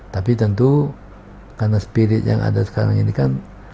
tapi tentu karena spirit yang ada sekarang ini kan